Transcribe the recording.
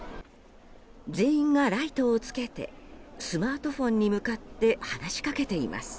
全員がライトをつけてスマートフォンに向かって話しかけています。